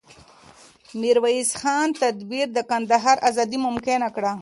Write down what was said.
د میرویس خان تدبیر د کندهار ازادي ممکنه کړه.